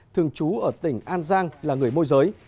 thường trú ở tỉnh an giang là người môi giới